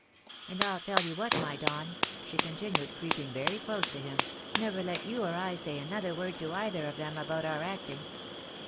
And I'll tell you what, my Don," she continued, creeping very close to him, " never let you or I say another word to either of them about our acting.